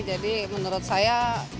jadi menurut saya